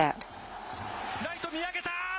ライト、見上げた！